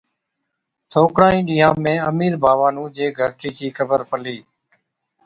ٿوڪڙان ئِي ڏِيهان ۾ امِير ڀاوا نُون جي گھَرٽِي چِي خبر پلِي،